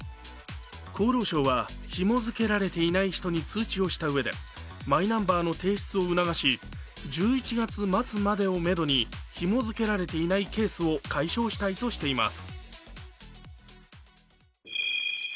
厚労省は、ひも付けられていない人に通知をしたうえで、１１月末までをめどにひも付けられていないケースを解消したいといいます。